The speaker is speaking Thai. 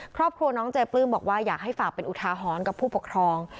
ครอบครัวน้องเจปลื้มบอกว่าอยากให้ฝากเป็นอุทาหรณ์กับผู้ปกครอง